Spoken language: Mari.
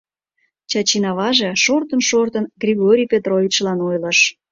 Чачин аваже, шортын-шортын, Григорий Петровичлан ойлыш: